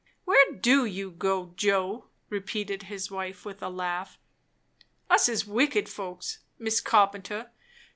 "Where do you go, Joe?" repeated his wife, with a laugh. "Us is wicked folks, Miss Carpenter.